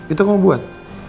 itu kamu buat